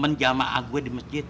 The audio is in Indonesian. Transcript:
teman jamaah gue di masjid